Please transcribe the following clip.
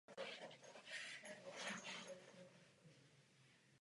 Je také domovem významného veletrhu Northwest Washington Fair.